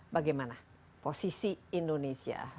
bagaimana posisi indonesia